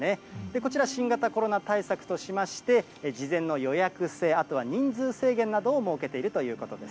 こちら、新型コロナ対策としまして、事前の予約制、あとは人数制限などを設けているということです。